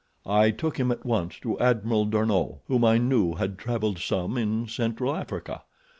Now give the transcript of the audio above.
I took him at once to Admiral d'Arnot, whom I knew had traveled some in Central Africa.